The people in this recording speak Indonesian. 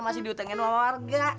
masih diutangin warga